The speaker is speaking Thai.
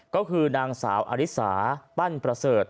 ก็คือนางสาวอริสาปั้นประเสริฐ